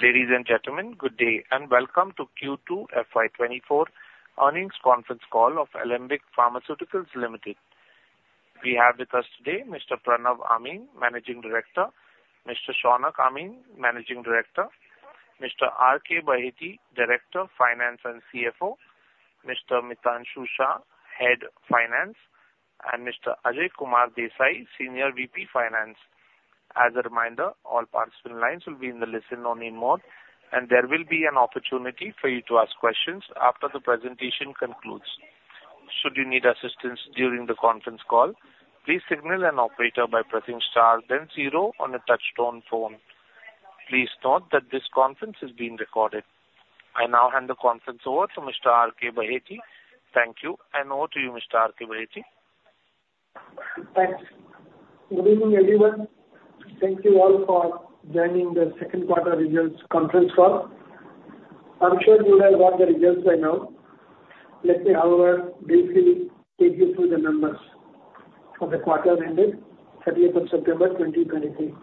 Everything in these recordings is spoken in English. Ladies and gentlemen, good day, and welcome to Q2 FY24 Earnings Conference Call of Alembic Pharmaceuticals Limited. We have with us today Mr. Pranav Amin; Managing Director, Mr. Shaunak Amin; Managing Director, Mr. R. K. Baheti; Director of Finance and CFO, Mr. Mitanshu Shah; Head Finance, and Mr. Ajay Kumar Desai; Senior VP Finance. As a reminder, all participant lines will be in the listen-only mode, and there will be an opportunity for you to ask questions after the presentation concludes. Should you need assistance during the conference call, please signal an operator by pressing star then zero on a touch-tone phone. Please note that this conference is being recorded. I now hand the conference over to Mr. R. K. Baheti. Thank you, and over to you, Mr. R. K. Baheti. Thanks. Good evening, everyone. Thank you all for joining the second quarter results conference call. I'm sure you have got the results by now. Let me, however, briefly take you through the numbers for the quarter ended 30th of September, 2023.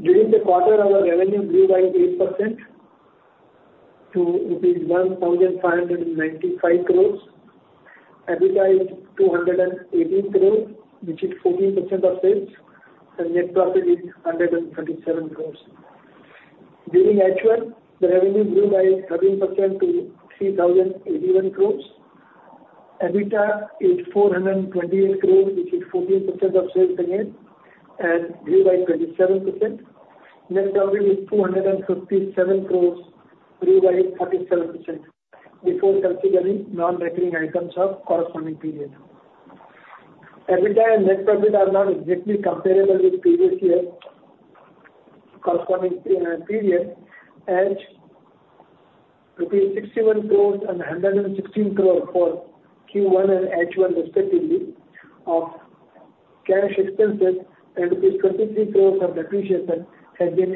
During the quarter, our revenue grew by 8% to rupees 1,595 crore, EBITDA is 218 crore, which is 14% of sales, and net profit is 137 crore. During H1, the revenue grew by 13% to 3,081 crore. EBITDA is 428 crore, which is 14% of sales again and grew by 27%. Net profit is INR 257 crore, grew by 37%, before considering non-recurring items of corresponding period. EBITDA and net profit are not exactly comparable with the previous year corresponding period, as rupees 61 crore and 116 crore for Q1 and H1, respectively, of cash expenses and 23 crore of depreciation has been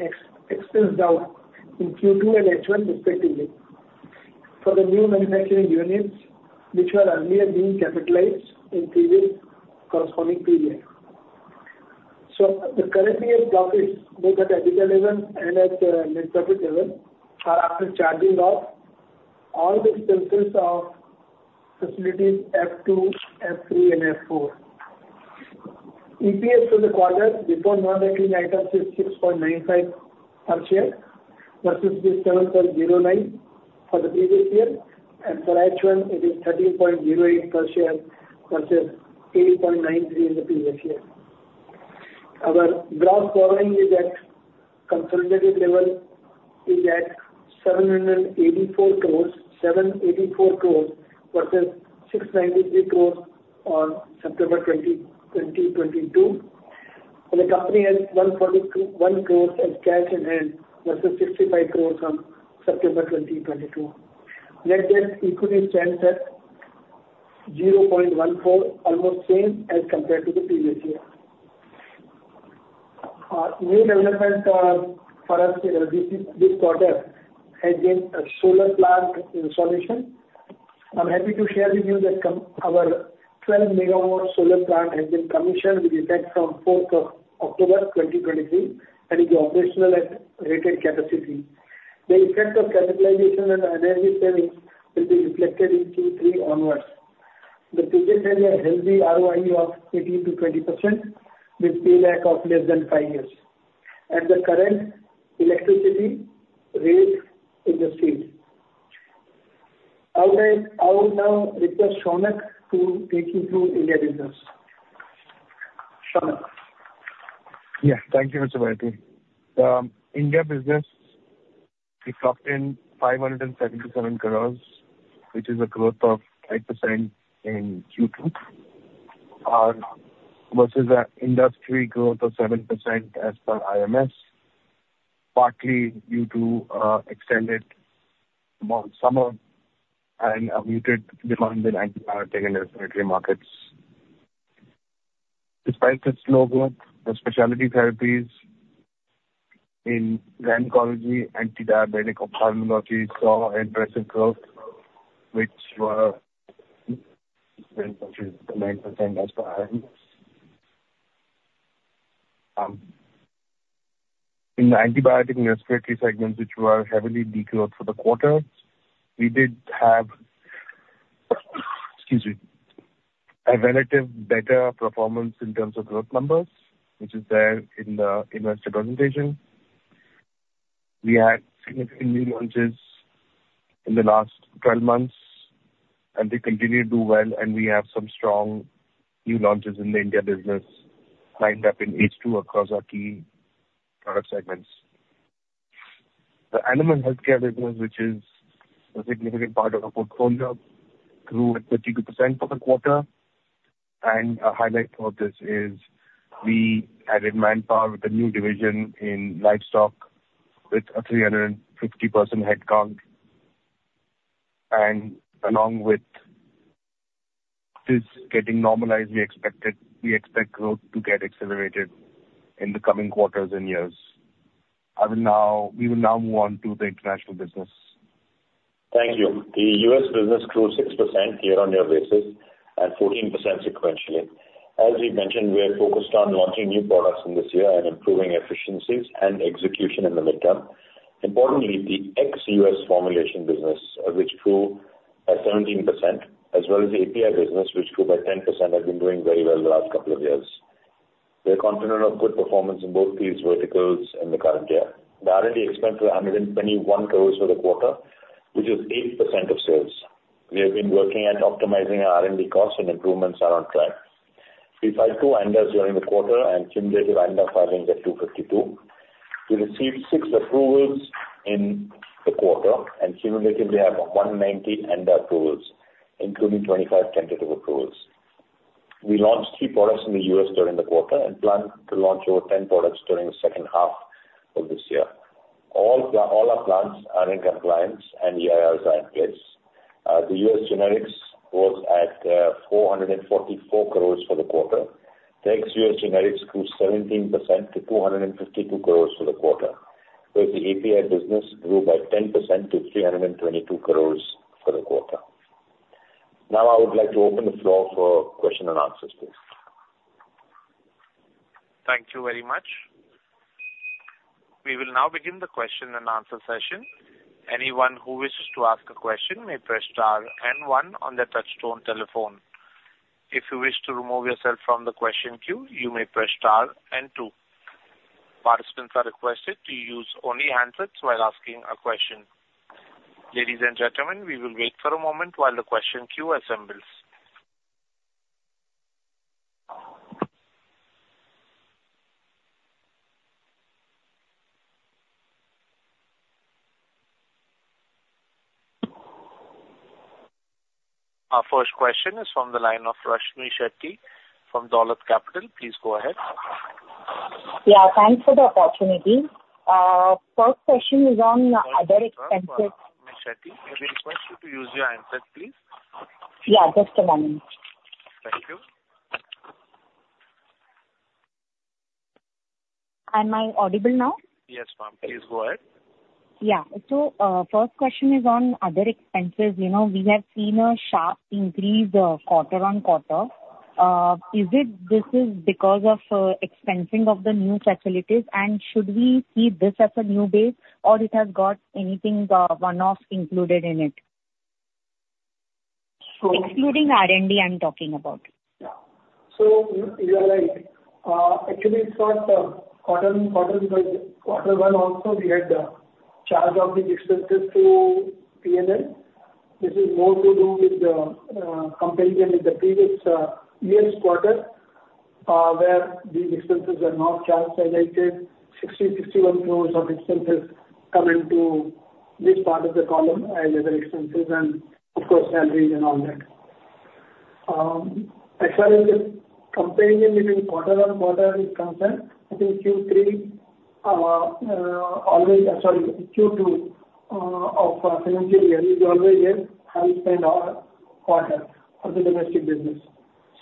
expensed out in Q2 and H1,respectively for the new manufacturing units, which were earlier being capitalized in previous corresponding period. So the current year profits, both at EBITDA level and at net profit level, are after charging off all the expenses of facilities F2, F3, and F4. EPS for the quarter before non-recurring items is 6.95 per share versus 6.709 for the previous year, and for H1, it is 13.08 per share versus 8.93 in the previous year. Our gross borrowing is at the consolidated level, is at 784 crore, 784 crore versus 693 crore on September 20, 2022. The company has 141 crore as cash in hand versus 65 crore on September 20, 2022. Net debt equity stands at 0.14, almost same as compared to the previous year. Our new development, for us in this quarter has been a solar plant installation. I'm happy to share with you that our 12-megawatt solar plant has been commissioned with effect from October 4, 2023 and is operational at rated capacity. The effect of capitalization and energy savings will be reflected in Q3 onwards. The project has a healthy ROI of 18%-20% with payback of less than five years at the current electricity rate in the state. I would like -- I will now request Shaunak to take you through the India business. Shaunak? Yeah. Thank you, Mr. Baheti. India business, we clocked in 577 crore, which is a growth of 8% in Q2 versus a industry growth of 7% as per IMS, partly due to extended summer and a muted demand in antibiotic and respiratory markets. Despite this slow growth, the specialty therapies in oncology, antidiabetic, ophthalmology saw impressive growth, which were 9% as per IMS. In the antibiotic and respiratory segments, which were heavily de-grew for the quarter, we did have, excuse me, a relatively better performance in terms of growth numbers, which is there in the investor presentation. We had significant new launches in the last 12 months, and they continue to do well, and we have some strong new launches in the India business lined up in H2 across our key product segments. The animal healthcare business, which is a significant part of our portfolio, grew at 32% for the quarter. A highlight of this is we added manpower with a new division in livestock, with a 350-person headcount. Along with this getting normalized, we expected, we expect growth to accelerate in the coming quarters and years. I will now, we will now move on to the international business. Thank you. The U.S. business grew 6% year-on-year basis and 14% sequentially. As we mentioned, we are focused on launching new products in this year and improving efficiencies and execution in the midterm. Importantly, the ex-U.S. formulation business, which grew at 17% as well as the API business, which grew by 10%, have been doing very well the last couple of years. We are confident of good performance in both these verticals in the current year. The R&D expense was 121 crore for the quarter, which is 8% of sales. We have been working at optimizing our R&D costs, and improvements are on track. We filed 2 ANDAs during the quarter, and cumulative ANDA filings at 252. We received 6 approvals in the quarter, and cumulatively have 190 ANDA approvals, including 25 tentative approvals. We launched three products in the U.S. during the quarter and plan to launch over 10 products during the second half of this year. All our plants are in compliance and EIRs are in place. The U.S. generics was at 444 crore for the quarter. The ex-U.S. generics grew 17% to 252 crore for the quarter, whereas the API business grew by 10% to 322 crore for the quarter. Now, I would like to open the floor for question and answers, please. Thank you very much. We will now begin the question and answer session. Anyone who wishes to ask a question may press star and one on their touchtone telephone. If you wish to remove yourself from the question queue, you may press star and two. Participants are requested to use only handsets while asking a question. Ladies and gentlemen, we will wait for a moment while the question queue assembles. Our first question is from the line of Rashmi Sancheti from Dolat Capital. Please go ahead. Yeah, thanks for the opportunity. First question is on other expenses. Rashmi Sancheti, may we request you to use your handset, please? Yeah, just a moment. Thank you. Am I audible now? Yes, ma'am. Please go ahead. Yeah. So, first question is on other expenses. You know, we have seen a sharp increase, quarter-on-quarter. Is it this is because of, expensing of the new facilities? And should we see this as a new base, or it has got anything, one-off included in it? So- Excluding R&D, I'm talking about. Yeah. So you are right. Actually, it's not quarter-on-quarter, because quarter one also, we had the charge of the expenses to P&L. This is more to do with the comparison with the previous year's quarter, where these expenses were not charged. As I said, 61 crore of expenses come into this part of the column as other expenses and, of course, salaries and all that. As well as the comparison between quarter-on-quarter is concerned, I think Q3 always... Sorry, Q2 of the financial year is always a high spend quarter for the domestic business.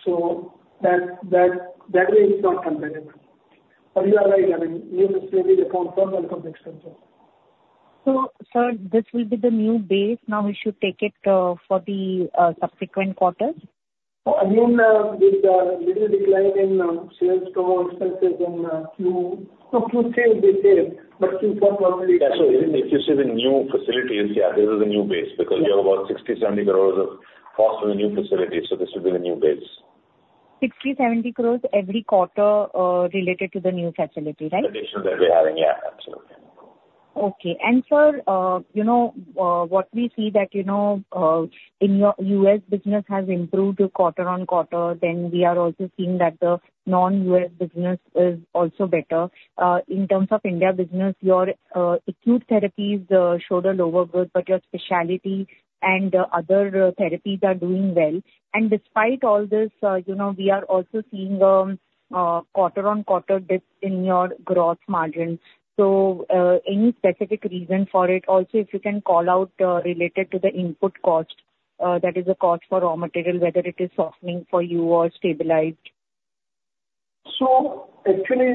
So that way it's not comparable. But you are right, I mean, you have to account for all of the expenses. Sir, this will be the new base. Now we should take it for the subsequent quarters? Again, with the little decline in sales growth expenses in so Q3 the same, but Q4 normally— Yeah, so if you see the new facilities, yeah, this is a new base. Yeah. Because you have about 60-70 crores of cost in the new facilities, so this would be the new base. 60 crore-INR 70 crore every quarter related to the new facility, right? Additional that we're having. Yeah, absolutely. Okay. And sir, you know, what we see that, you know, in your U.S. business has improved quarter-on-quarter. Then we are also seeing that the non-U.S. business is also better. In terms of India business, your acute therapies showed a lower growth, but your specialty and other therapies are doing well. And despite all this, you know, we are also seeing quarter-on-quarter dip in your gross margins. So, any specific reason for it? Also, if you can call out related to the input cost, that is the cost for raw material, whether it is softening for you or stabilized. So actually,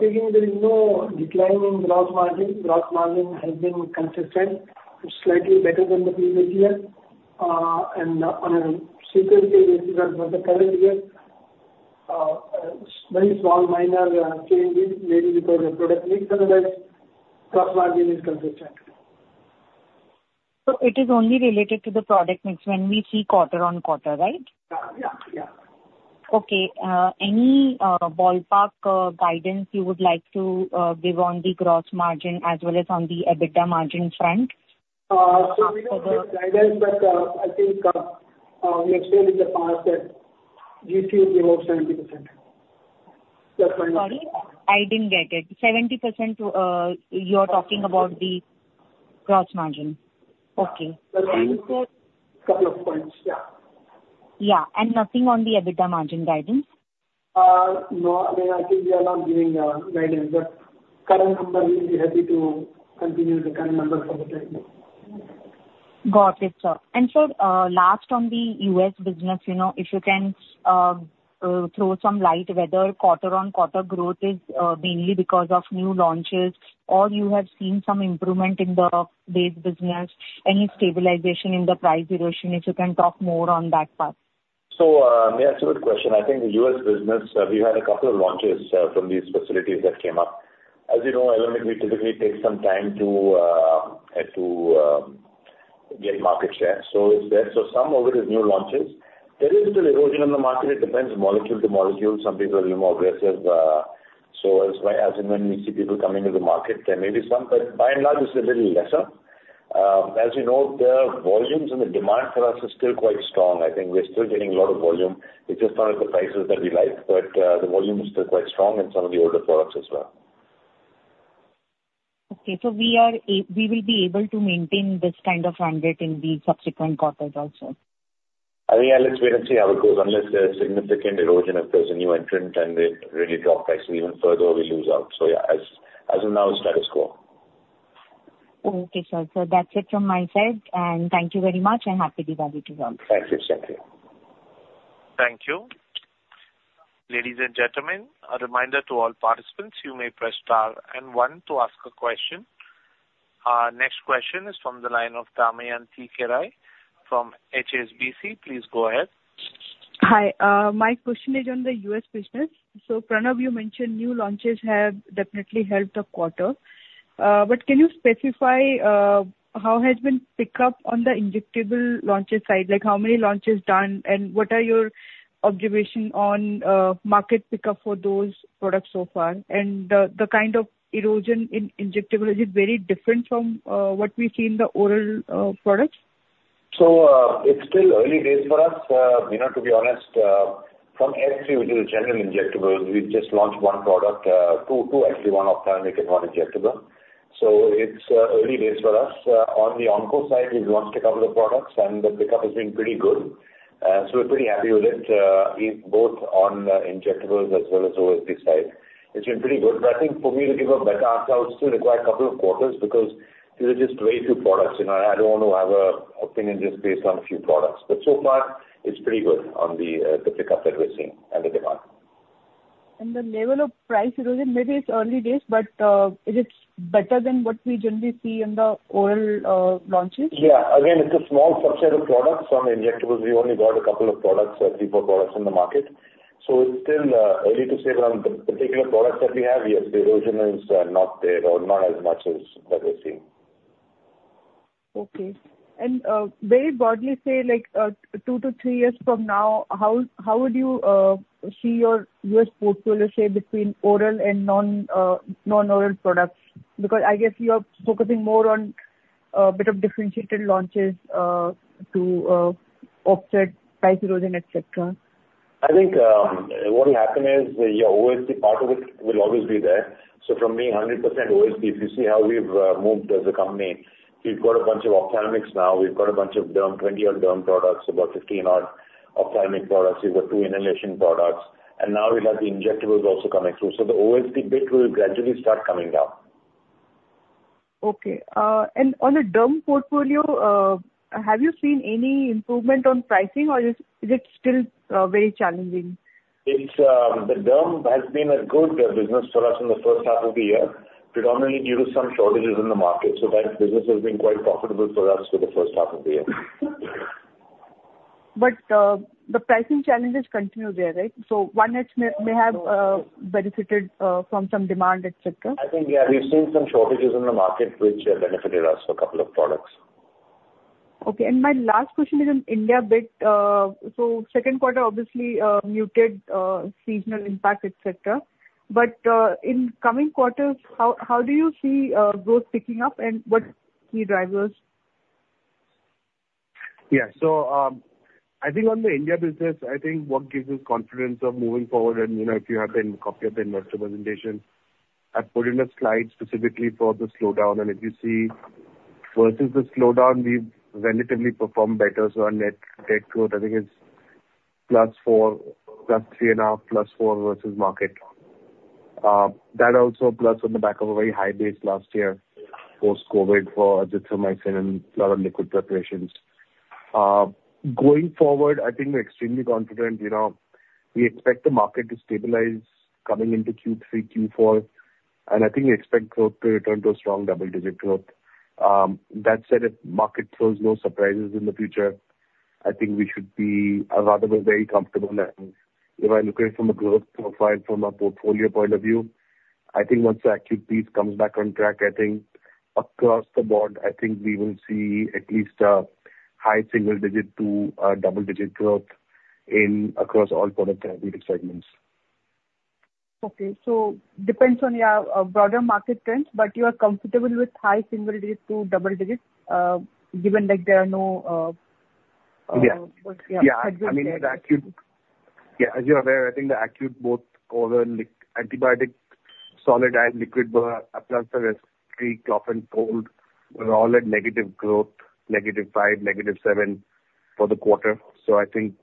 saying there is no decline in gross margin. Gross margin has been consistent. It's slightly better than the previous year. And on a sequential basis for the current year, very small minor changes, mainly because of product mix; otherwise, gross margin is consistent. It is only related to the product mix when we see quarter-on-quarter, right? Yeah. Okay, any ballpark guidance you would like to give on the gross margin as well as on the EBITDA margin front? So we don't give guidance, but I think we explained in the past that GT would be about 70%. Sorry, I didn't get it. 70%, you're talking about the gross margin? Yeah. Okay. Thanks, so- Couple of points, yeah. Yeah, and nothing on the EBITDA margin guidance? No, I mean, I think we are not giving guidance, but current numbers, we'll be happy to continue the current numbers for the time being. Got it, sir. And sir, last on the U.S .business, you know, if you can throw some light whether quarter-on-quarter growth is mainly because of new launches, or you have seen some improvement in the base business, any stabilization in the price erosion, if you can talk more on that part. So, yeah, it's a good question. I think the U.S. business, we had a couple of launches from these facilities that came up. As you know, Alembic we typically take some time to get market share, so it's there. So some of it is new launches. There is a little erosion in the market, it depends molecule to molecule. Some people are a little more aggressive. So as well as and when we see people coming to the market, there may be some, but by and large, it's a little lesser. As you know, the volumes and the demand for us is still quite strong. I think we're still getting a lot of volume. It's just not at the prices that we like, but the volume is still quite strong in some of the older products as well. Okay. So we are we will be able to maintain this kind of run rate in the subsequent quarters also? I think yeah, let's wait and see how it goes. Unless there's significant erosion, if there's a new entrant and they really drop pricing even further, we lose out. So yeah, as, as of now, status quo. Okay, sir. So that's it from my side, and thank you very much, and happy Diwali to you all. Thank you. Thank you. Thank you. Ladies and gentlemen, a reminder to all participants, you may press star and one to ask a question. Our next question is from the line of Damayanti Kerai from HSBC. Please go ahead. Hi. My question is on the U.S. business. So Pranav, you mentioned new launches have definitely helped the quarter. But can you specify how has been pick up on the injectable launches side? Like, how many launches done, and what are your observation on market pickup for those products so far? And the kind of erosion in injectable, is it very different from what we see in the oral products? So, it's still early days for us. You know, to be honest, from F3, which is general injectables, we've just launched one product, two, two, actually, one ophthalmic and one injectable. So it's early days for us. On the onco side, we've launched a couple of products and the pickup has been pretty good. So we're pretty happy with it, in both on the injectables as well as OSD side. It's been pretty good, but I think for me to give a better answer, I would still require a couple of quarters, because these are just very few products. You know, I don't want to have an opinion just based on a few products. But so far, it's pretty good on the, the pickup that we're seeing and the demand. The level of price erosion, maybe it's early days, but, is it better than what we generally see in the oral launches? Yeah. Again, it's a small subset of products. On injectables, we only got a couple of products, three, four products in the market. So it's still early to say, but on the particular products that we have, yes, the erosion is not there or not as much as that we're seeing. Okay. And, very broadly say, like, two to three years from now, how would you see your U.S. portfolio, say, between oral and non-oral products? Because I guess you are focusing more on a bit of differentiated launches, to offset price erosion, et cetera. I think, what will happen is, yeah, OSD part of it will always be there. So from being 100% OSD, if you see how we've moved as a company, we've got a bunch of ophthalmics now. We've got a bunch of derm, 20-odd derm products, about 15-odd ophthalmic products. We've got two inhalation products. And now we have the injectables also coming through. So the OSD bit will gradually start coming down. Okay. And on the derm portfolio, have you seen any improvement on pricing, or is it still very challenging? It's the derm has been a good business for us in the first half of the year, predominantly due to some shortages in the market. So that business has been quite profitable for us for the first half of the year. But, the pricing challenges continue there, right? So one, it may have benefited from some demand, et cetera. I think, yeah, we've seen some shortages in the market which have benefited us for a couple of products. Okay, and my last question is on India bit. So second quarter, obviously, muted, seasonal impact, etcetera. But, in coming quarters, how do you see growth picking up and what key drivers? Yeah. So, I think on the India business, I think what gives us confidence of moving forward, and, you know, if you have been copy of the investor presentation, I've put in a slide specifically for the slowdown. And if you see, versus the slowdown, we've relatively performed better. So our net debt growth, I think, is +4%, +3.5%, +4% versus market. That also plus on the back of a very high base last year, post-COVID for Azithromycin and a lot of liquid preparations. Going forward, I think we're extremely confident. You know, we expect the market to stabilize coming into Q3, Q4, and I think we expect growth to return to a strong double-digit growth. That said, if market throws no surprises in the future, I think we should be at rather a very comfortable level. If I look at it from a growth profile, from a portfolio point of view, I think once the acute piece comes back on track, I think across the board, I think we will see at least a high single digit to a double-digit growth in across all product therapeutic segments. Okay. So it depends on your broader market trends, but you are comfortable with high single digits to double digits, given that there are no Yeah. Yeah. Yeah. I mean, the acute... Yeah, as you're aware, I think the acute, both oral and antibiotic, solid and liquid, plus the respiratory cough and cold, were all at negative growth, negative 5%, negative 7% for the quarter. So I think,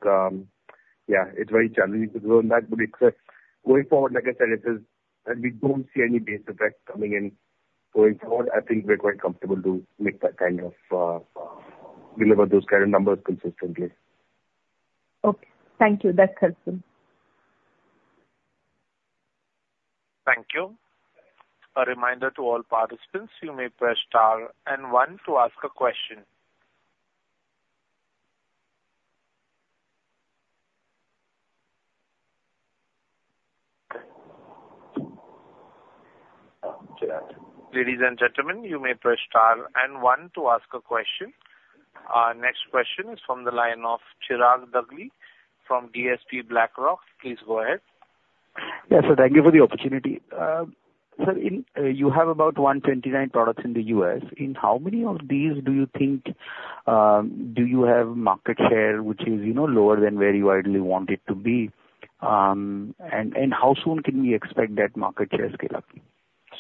yeah, it's very challenging to grow on that, but it's going forward, like I said, it is and we don't see any base effects coming in. Going forward, I think we're quite comfortable to make that kind of deliver those kind of numbers consistently. Okay. Thank you. That's helpful. Thank you. A reminder to all participants, you may press star and one to ask a question. Ladies and gentlemen, you may press star and one to ask a question. Our next question is from the line of Chirag Dagli from DSP Asset Managers. Please go ahead. Yes, sir, thank you for the opportunity. So, you have about 129 products in the U.S. In how many of these do you think do you have market share, which is, you know, lower than where you ideally want it to be? And how soon can we expect that market share scale up?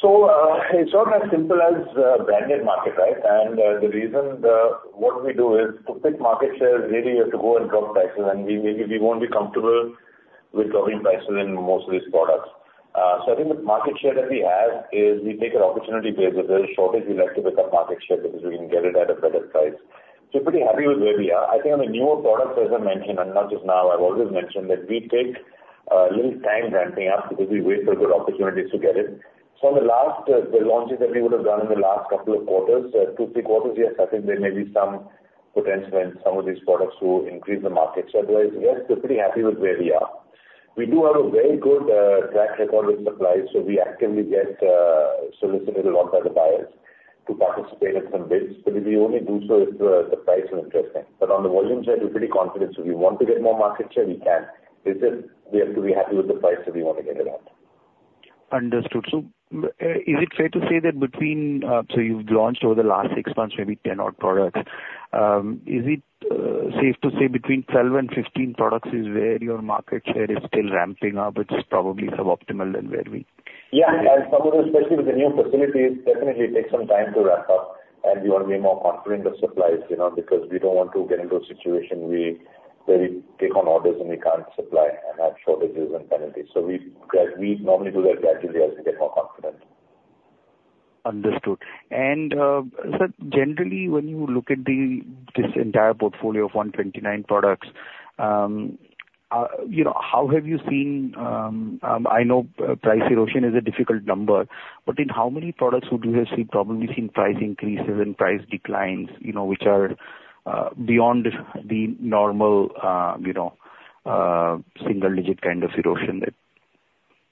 So, it's not as simple as branded market, right? And the reason what we do is, to pick market share, really, you have to go and drop prices, and we maybe won't be comfortable with dropping prices in most of these products. So I think the market share that we have is we take an opportunity where there's a shortage, we like to pick up market share because we can get it at a better price. So pretty happy with where we are. I think on the newer products, as I mentioned, and not just now, I've always mentioned, that we take a little time ramping up because we wait for good opportunities to get it. So in the last, the launches that we would have done in the last couple of quarters, two, three quarters, yes, I think there may be some potential in some of these products to increase the market share. Otherwise, yes, we're pretty happy with where we are. We do have a very good, track record with suppliers, so we actively get, solicited a lot by the buyers to participate in some bids. But we only do so if the, the price is interesting. But on the volume side, we're pretty confident. So if we want to get more market share, we can. It's just we have to be happy with the price that we want to get it at. Understood. So, is it fair to say that so you've launched over the last six months, maybe 10 odd products? Is it safe to say between 12 and 15 products is where your market share is still ramping up, which is probably suboptimal than where we- Yeah, and especially with the new facilities, it definitely takes some time to ramp up, and we want to be more confident of supplies, you know, because we don't want to get into a situation where we take on orders and we can't supply and have shortages and penalties. So we normally do that gradually as we get more confident. Understood. And, sir, generally, when you look at the, this entire portfolio of 129 products, you know, how have you seen, I know price erosion is a difficult number, but in how many products would you have seen, probably seen price increases and price declines, you know, which are, single digit kind of erosion there?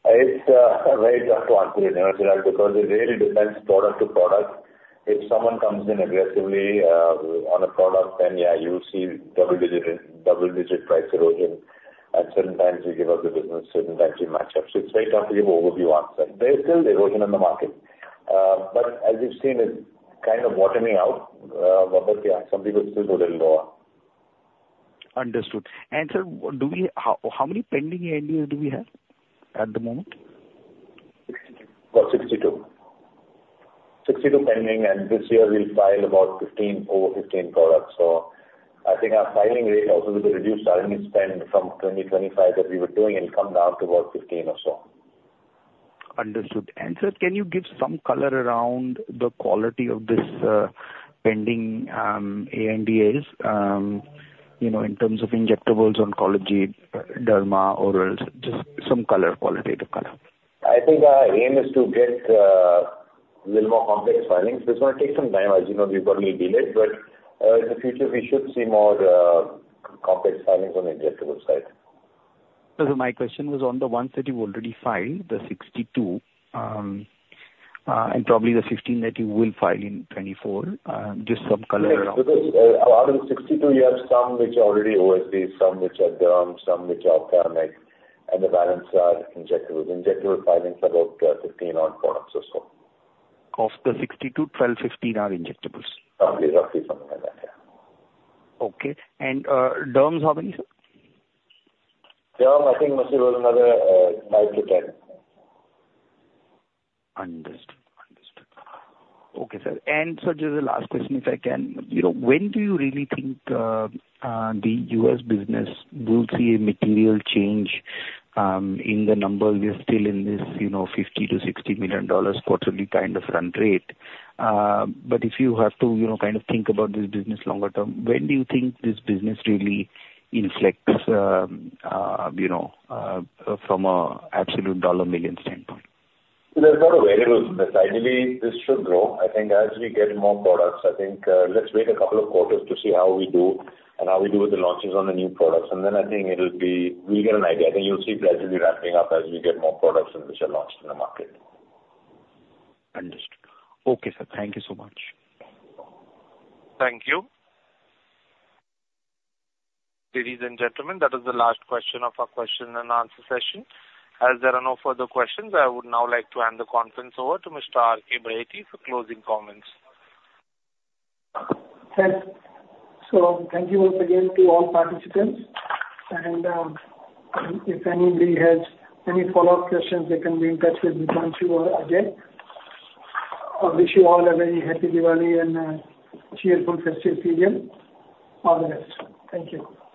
It's very tough to answer, you know, Chirag, because it really depends product to product. If someone comes in aggressively on a product, then, yeah, you'll see double digit, double digit price erosion. At certain times, we give up the business, certain times we match up. So it's very tough to give overview answer. There's still erosion in the market. But as you've seen, it's kind of bottoming out. But, yeah, some people are still a little lower. Understood. And, sir, how many pending ANDAs do we have at the moment? 62. About 62. 62 pending, and this year we'll file about 15, over 15 products. So I think our filing rate also with the reduced R&D spend from 2025 that we were doing, it'll come down to about 15 or so. Understood. Sir, can you give some color around the quality of this pending ANDAs, you know, in terms of injectables, oncology, derma, orals, just some color, qualitative color? I think our aim is to get a little more complex filings. This might take some time. As you know, we've got a little delay, but in the future, we should see more complex filings on the injectable side. My question was on the ones that you've already filed, the 62, and probably the 15 that you will file in 2024, just some color around. Yes. Because out of the 62, we have some which are already OSD, some which are derm, some which are ophthalmic, and the balance are injectables. Injectable filings are about 15 odd products or so. Of the 62, 12, 15 are injectables? Roughly something like that, yeah. Okay. And, derms, how many, sir? Derm? I think, must be another five to 10. Understood. Understood. Okay, sir. And sir, just a last question, if I can. You know, when do you really think, the U.S. business will see a material change, in the numbers? We are still in this, you know, $50 million-60 million quarterly kind of run rate. But if you have to, you know, kind of think about this business longer term, when do you think this business really inflects, you know, from a absolute dollar million standpoint? There's a lot of variables in this. Ideally, this should grow. I think as we get more products, I think, let's wait a couple of quarters to see how we do and how we do with the launches on the new products, and then I think it'll be... We get an idea. I think you'll see gradually ramping up as we get more products in which are launched in the market. Understood. Okay, sir. Thank you so much. Thank you. Ladies and gentlemen, that is the last question of our question and answer session. As there are no further questions, I would now like to hand the conference over to Mr. R.K. Baheti for closing comments. Thanks. So thank you once again to all participants. And, if anybody has any follow-up questions, they can be in touch with Manju or Ajay. I wish you all a very happy Diwali and a cheerful festive season. All the best. Thank you.